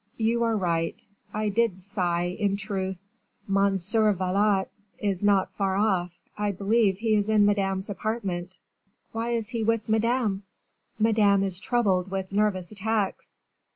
"You are right; I did sigh, in truth." "Monsieur Valot is not far off; I believe he is in Madame's apartment." "Why is he with Madame?" "Madame is troubled with nervous attacks."